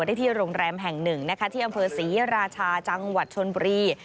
ได้ที่โรงแรมแห่งหนึ่งนะคะที่อำเภอศรีราชาจังหวัดชนบุรี